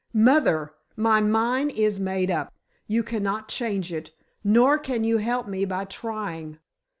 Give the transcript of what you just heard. "Mother, my mind is made up. You cannot change it, nor can you help me by trying.